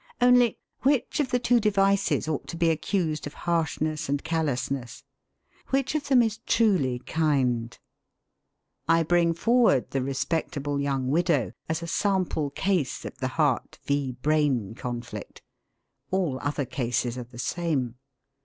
Only which of the two devices ought to be accused of harshness and callousness? Which of them is truly kind? I bring forward the respectable young widow as a sample case of the Heart v. Brain conflict. All other cases are the same.